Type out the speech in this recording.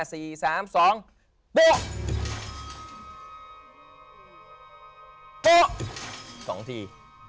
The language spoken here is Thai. สองที